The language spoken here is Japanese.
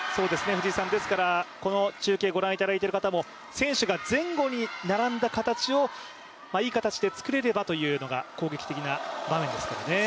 この中継ご覧いただいている方も選手が前後に並んだ形をいい形で作れればというのが攻撃的な場面ですね。